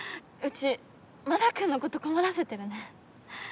うちまな君のこと困らせてるね。